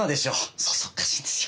そそっかしいんですよ。